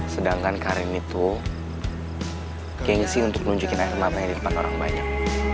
sedangkan karin itu gengsi untuk nunjukin air matanya di depan orang banyak